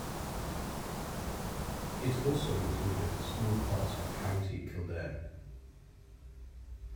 It also included small parts of County Kildare.